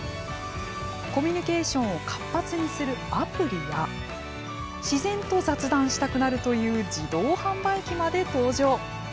コミュニケーションを活発にするアプリや自然と雑談したくなるという自動販売機まで登場。